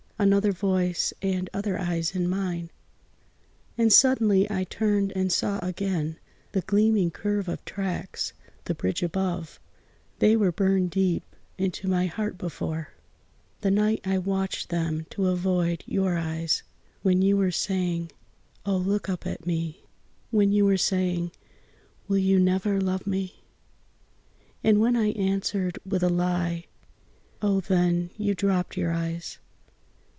Another voice and other eyes in mine! And suddenly I turned and saw again The gleaming curve of tracks, the bridge above They were burned deep into my heart before, The night I watched them to avoid your eyes, When you were saying, "Oh, look up at me!" When you were saying, "Will you never love me?" And when I answered with a lie. Oh then You dropped your eyes.